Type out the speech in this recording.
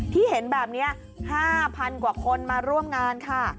เห็นแบบนี้๕๐๐กว่าคนมาร่วมงานค่ะ